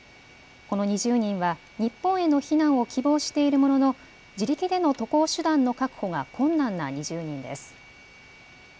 この２０人は日本への避難を希望しているものの自力での渡航手段の確保が困難な２０人です。